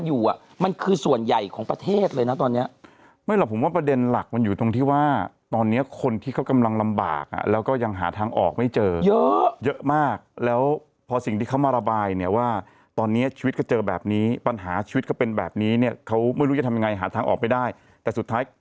อย่างพวกไอ้ขันโก้งกันกูมันนี่อันดับหนึ่งแป๊บ